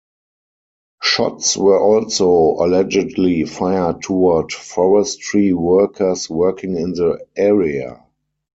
Shots were also allegedly fired toward forestry workers working in the area.